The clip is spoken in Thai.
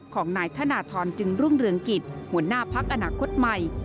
ของนายธนทรจึงรุ่งเรืองกิจหัวหน้าพักอนาคตใหม่